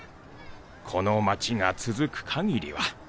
この町が続く限りは。